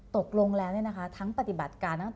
ตกลงแล้วทั้งปฏิบัติการทั้ง